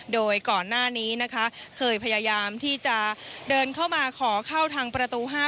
โดยก่อนหน้านี้นะคะเคยพยายามที่จะเดินเข้ามาขอเข้าทางประตู๕